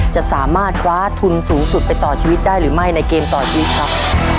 จะสามารถคว้าทุนสูงสุดไปต่อชีวิตได้หรือไม่ในเกมต่อชีวิตครับ